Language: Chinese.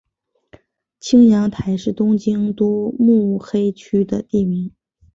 青叶台是东京都目黑区的地名。